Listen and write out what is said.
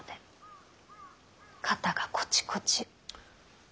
肩がコチコチ。